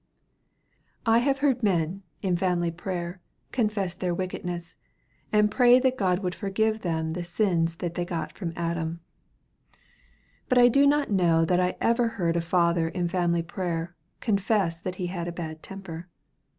I have heard men, in family prayer, confess their wickedness, and pray that God would forgive them the sins that they got from Adam; but I do not know that I ever heard a father in family prayer confess that he had a bad temper.